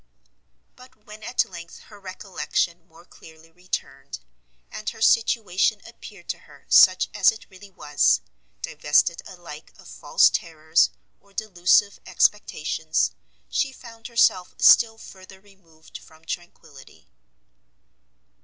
But when at length her recollection more clearly returned, and her situation appeared to her such as it really was, divested alike of false terrors or delusive expectations, she found herself still further removed from tranquility.